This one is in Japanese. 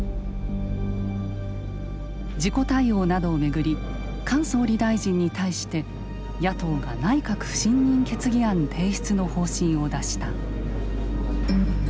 事故対応などを巡り菅総理大臣に対して野党が内閣不信任決議案提出の方針を出した。